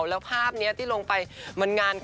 แล้วภาพนี้ที่ลงไปมันงานกัน